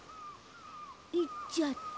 いっちゃった。